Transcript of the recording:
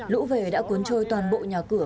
lũ về đã cuốn trôi toàn bộ nhà cửa